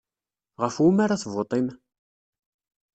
Ɣef wumi ara tevuṭim?